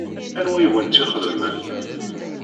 Anwa i wen-tt-ixedmen?